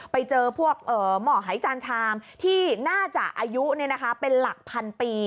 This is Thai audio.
ไปเจอพวกหมอหายจานชามที่น่าจะอายุเป็นหลักพันปี